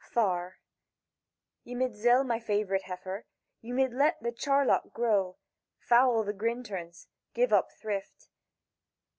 Far.—"Ye mid zell my favourite heifer, ye mid let the charlock grow, Foul the grinterns, give up thrift."